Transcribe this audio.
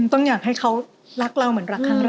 ต้องอยากให้เขารักเราเหมือนรักครั้งแรก